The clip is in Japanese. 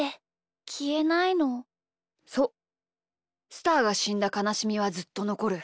スターがしんだかなしみはずっとのこる。